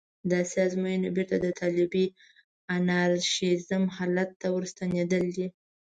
داسې ازموینه بېرته د طالبي انارشېزم حالت ته ورستنېدل دي.